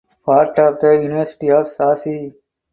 Part of the University of Sousse.